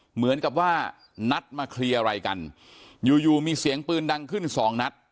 เหมือนกับว่านัดมาเคลียร์อะไรกันอยู่อยู่มีเสียงปืนดังขึ้นสองนัด